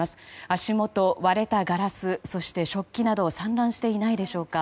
足元、割れたガラスや食器など散乱していないでしょうか。